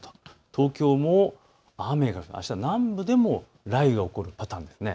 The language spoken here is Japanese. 東京も雨があした南部でも雷雨が起こるパターンです。